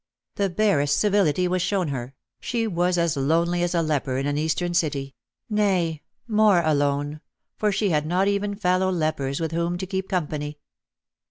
The barest civility was shown her ; she was as lonely as a leper in an Eastern city ; nay, more alone, for she had not even fellow lepers with whom to keep company.